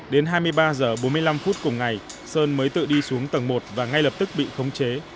đến hai mươi ba h bốn mươi năm phút cùng ngày sơn mới tự đi xuống tầng một và ngay lập tức bị khống chế